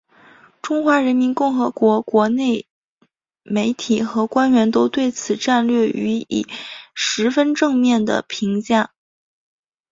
中华人民共和国国内媒体和官员都对此战略予以十分正面的评价。